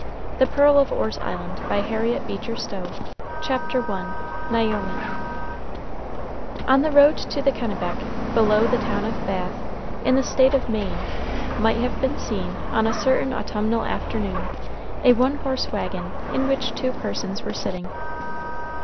THE PEARL OF ORR'S ISLAND CHAPTER I NAOMI On the road to the Kennebec, below the town of Bath, in the State of Maine, might have been seen, on a certain autumnal afternoon, a one horse wagon, in which two persons were sitting.